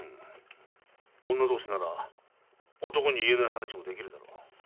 女同士なら男に言えない話もできるだろう。